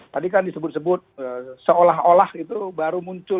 tadi kan disebut sebut seolah olah itu baru muncul